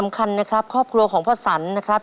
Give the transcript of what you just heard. คันนะครับครอบครัวของพ่อสันนะครับ